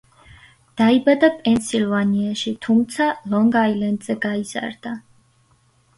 დაიბადა პენსილვანიაში, თუმცა ლონგ-აილენდზე გაიზარდა.